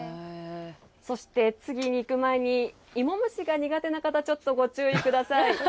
そして次にいく前にいも虫が苦手なほうちょっとご注意ください。